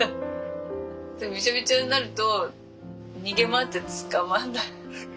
ビチョビチョになると逃げ回って捕まんない。